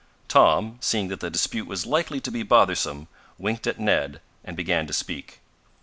Tom, seeing that the dispute was likely to be bothersome, winked at Ned and began to speak.